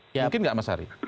mungkin tidak mas ari